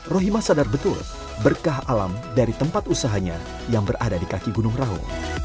rohima sadar betul berkah alam dari tempat usahanya yang berada di kaki gunung raung